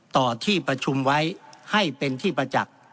ต่อที่ประชุมไว้ให้เป็นที่ประจักษ์